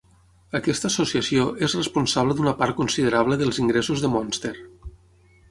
Aquesta associació és responsable d'una part considerable dels ingressos de Monster.